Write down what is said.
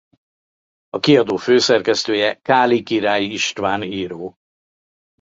A kiadó főszerkesztője Káli Király István író.